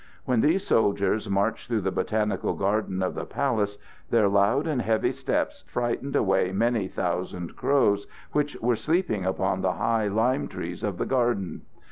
When these soldiers marched through the botanical garden of the palace, their loud and heavy steps frightened away many thousand crows, which were sleeping upon the high lime trees of the garden.